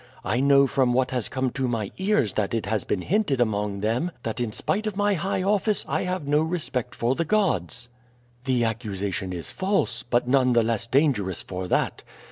I know from what has come to my ears that it has been hinted among them that in spite of my high office I have no respect for the gods. "The accusation is false, but none the less dangerous for that.